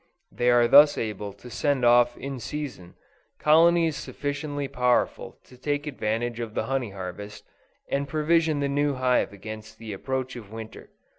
They are thus able to send off in season, colonies sufficiently powerful to take advantage of the honey harvest, and provision the new hive against the approach of Winter.